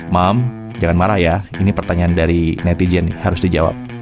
mam jangan marah ya ini pertanyaan dari netizen nih harus dijawab